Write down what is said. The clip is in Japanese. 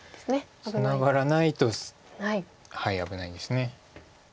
ツナがらないと危ないです。